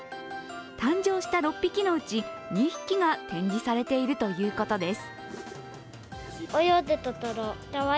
誕生した６匹のうち２匹が展示されているということです。